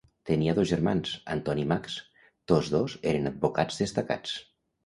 Tenia dos germans, Anton i Max, tots dos eren advocats destacats.